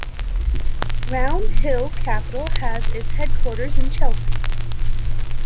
Round Hill Capital has its headquarters in Chelsea.